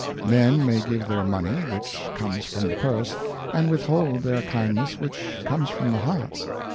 Men may give their money which comes from the purse, and withhold their kind ness which comes from the heart.